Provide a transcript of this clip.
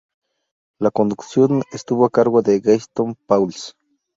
La conducción estuvo a cargo de Gastón Pauls.